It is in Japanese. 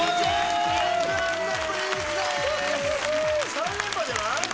３連覇じゃない？